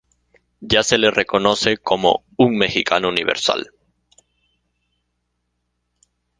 Ya se le reconoce como "Un mexicano universal".